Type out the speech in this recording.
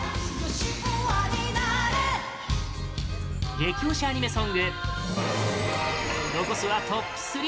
激推しアニメソング残すはトップ３！